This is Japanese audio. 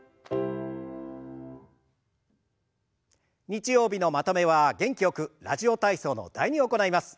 日曜日のまとめは元気よく「ラジオ体操」の「第２」を行います。